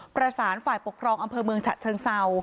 ประสานฝ่ายปกครองอำเภอเมืองฉะเชิงเศร้า